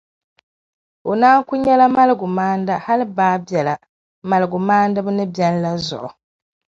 o naan ku nyɛla maligumaana hal baabiɛla, maligumaaniba ni beni la zuɣu.